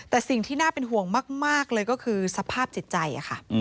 แต่สิ่งที่น่าเป็นห่วงมากเลยก็คือสภาพจิตใจค่ะ